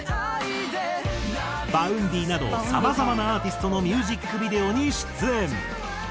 Ｖａｕｎｄｙなどさまざまなアーティストのミュージックビデオに出演。